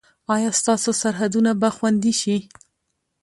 ایا ستاسو سرحدونه به خوندي شي؟